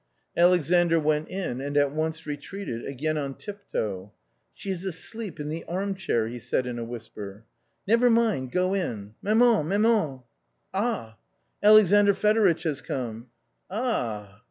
Alexandr went in and at once retreated again on tip toe. " She is asleep in the armchair," he said in a whisper. " Never mind, go in. Maman, maman I "" Ah 1" "Alexandr Fedoritch has come." " Ah